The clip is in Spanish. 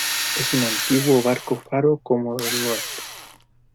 es un antiguo barco faro como el nuestro